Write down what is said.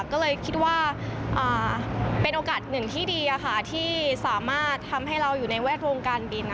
ก็เลยคิดว่าเป็นโอกาสหนึ่งที่ดีที่สามารถทำให้เราอยู่ในแวดวงการบิน